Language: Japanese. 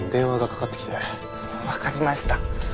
わかりました。